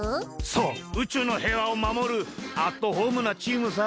そう宇宙のへいわをまもるアットホームなチームさ。